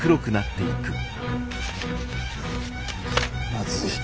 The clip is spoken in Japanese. まずいッ！